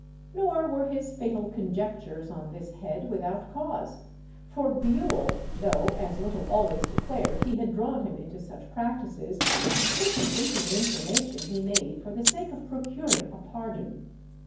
Nor were his fatal conjectures on this head without cause; for Bewle, though as Little always declared he had drawn him into such practices, put him into an information he made for the sake of procuring a pardon.